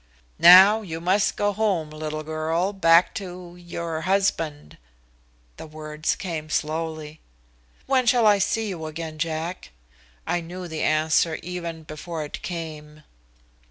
"Now you must go home, little girl, back to your husband." The words came slowly. "When shall I see you again, Jack?" I knew the answer even before it came.